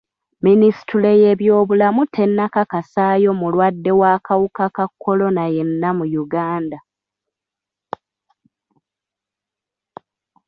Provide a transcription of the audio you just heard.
Minisitule y'ebyobulamu tennakakasayo mulwadde w'akawuka ka kolona yenna mu Uganda.